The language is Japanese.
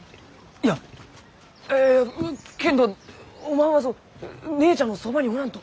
いやいやけんどおまんは姉ちゃんのそばにおらんと！